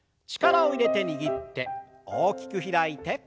力を入れて握って大きく開いて。